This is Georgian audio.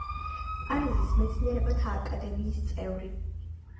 პარიზის მეცნიერებათა აკადემიის წევრი.